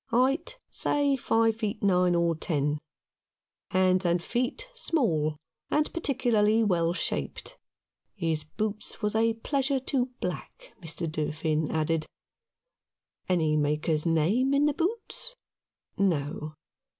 Height, say five feet nine or ten. Hands and feet small, and particularly well shaped. His boots was a pleasure to black, Mr. Durfin added. Any maker's name in the boots ? No.